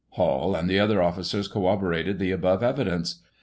Hall and the other of&cers corroborated the above evidence.